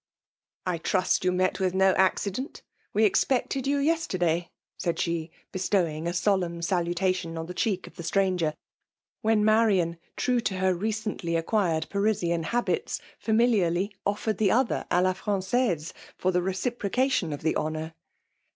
" I trust you met with no accident ? We expected you yesterday," said she, bestowing a solemn salutation on the cheek of the stran ger ; when Marian, true to her recently ac quired Parisian habits, familiarly offered the other a la Fran^aUe, for a reciprocation of the konour.